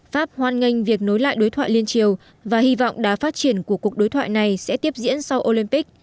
pháp hoan nghênh việc nối lại đối thoại liên triều và hy vọng đá phát triển của cuộc đối thoại này sẽ tiếp diễn sau olympic